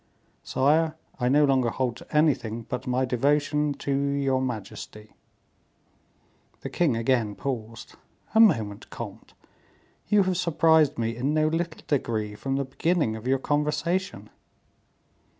"Sire, I no longer hold to anything but my devotion to your majesty." The king again paused. "A moment, comte. You have surprised me in no little degree from the beginning of your conversation.